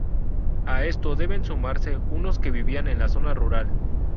A esto deben sumarse unos que vivían en la zona rural.